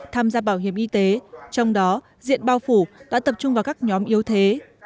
tham gia bảo hiểm y tế trong đó diện bao phủ đã tập trung vào các nhóm yếu thế